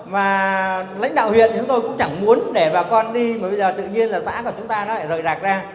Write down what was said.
và lãnh đạo huyện chúng tôi cũng chẳng muốn để bà con đi mà bây giờ tự nhiên là xã của chúng ta nó lại rời rạc ra